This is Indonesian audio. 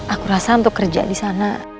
aku rasa untuk kerja disana